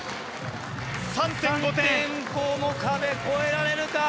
３．５の壁越えられるか？